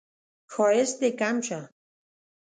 ښایست دې کم شه